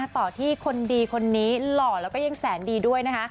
ต่อที่คนดีคนนี้หล่อแล้วก็ยังแสนดีด้วยนะคะ